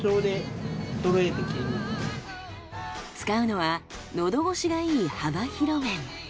使うのはのど越しがいい幅広麺。